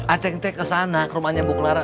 acek te kesana ke rumahnya buklara